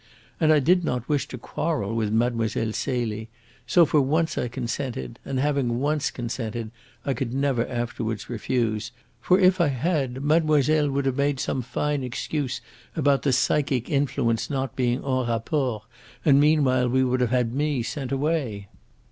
And I did not wish to quarrel with Mlle. Celie; so for once I consented, and, having once consented, I could never afterwards refuse, for, if I had, mademoiselle would have made some fine excuse about the psychic influence not being en rapport, and meanwhile would have had me sent away.